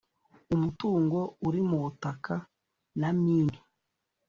umutungo uri mu butaka na mini